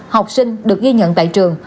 học sinh được ghi nhận tại trường